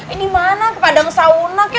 eh di mana ke padang sauna kek